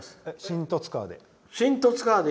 新十津川で。